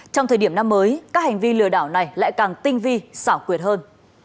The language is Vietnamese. trong thời điểm năm mới các hành vi lừa đảo này lại càng tinh vi xảo quyệt hơn